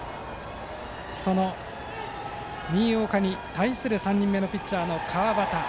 その新岡に対する３人目のピッチャーの川端。